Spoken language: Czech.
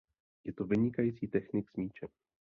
Je to vynikající technik s míčem.